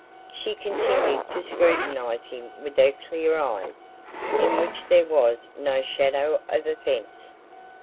She continued to scrutinize him with her clear eyes, in which there was no shadow of offense.